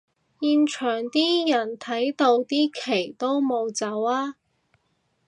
現場啲人睇到啲旗都冇走吖